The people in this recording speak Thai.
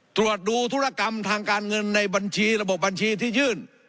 ตรวจดูธุรกรรมทางการเงินในบัญชีระบบบัญชีที่ยื่น